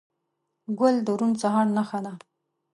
ګل د روڼ سهار نښه ده.